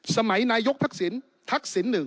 สมัยนายกทักษิณ